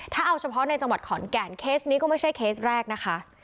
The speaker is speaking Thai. ถ้าเอาเฉพาะในจังหวัดขอนแก่นเคสนี้ก็ไม่ใช่เคสแรกนะคะ